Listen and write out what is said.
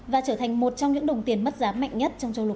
và trở thành một trong những đồng tiền mất giá mạnh nhất trong châu lục